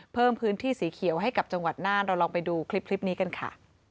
เพิ่มพื้นที่สีเขียวให้กับจังหวัดน่านเราลองไปดูคลิปนี้กันค่ะ